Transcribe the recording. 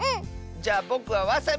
じゃあぼくはわさび！